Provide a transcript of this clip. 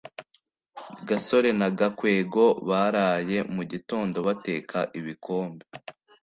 gasore na gakwego baraye mugitondo bateka ibikombe